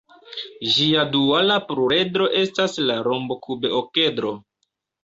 Ĝia duala pluredro estas la rombokub-okedro.